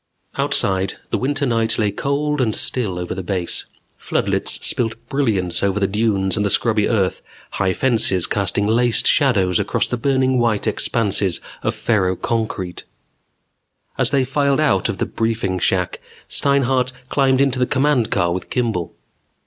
Outside, the winter night lay cold and still over the Base. Floodlights spilled brilliance over the dunes and the scrubby earth, high fences casting laced shadows across the burning white expanses of ferroconcrete. As they filed out of the briefing shack, Steinhart climbed into the command car with Kimball.